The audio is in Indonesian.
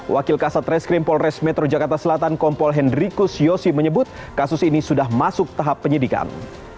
wakil kasat reskrim polres metro jakarta selatan kompol hendrikus yosi menyebut kasus ini sudah masuk tahap penyidikan